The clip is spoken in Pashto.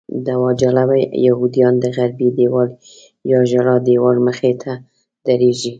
دعوه جلبه یهودیان د غربي دیوال یا ژړا دیوال مخې ته درېږي.